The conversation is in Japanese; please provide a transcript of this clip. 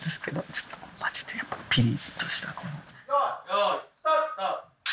よいスタート！